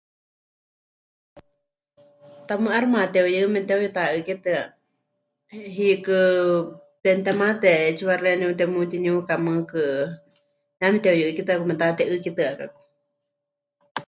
Tamɨ́ 'aixɨ mekate'uyɨ memɨteuyuta'ɨ́kitɨa, hiikɨ temɨtemate 'etsiwa xeeníu temutiniuka, mɨɨkɨ ya meteuyu'ɨ́kitɨaka metate'ɨ́kitɨakaku.